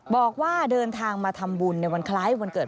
บอกว่าเดินทางมาทำบุญในวันคล้ายวันเกิด